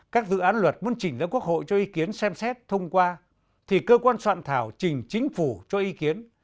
các dự án luật muốn chỉnh ra quốc hội cho ý kiến xem xét thông qua thì cơ quan soạn thảo chỉnh chính phủ cho ý kiến